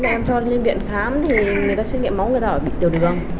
em cho lên viện khám người ta xét nghiệm máu người ta bảo bị tiểu đường